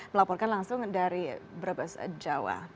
melaporkan langsung dari brebes jawa